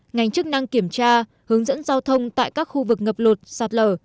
ngành chức năng kiểm tra hướng dẫn giao thông tại các khu vực ngập lụt sạt lở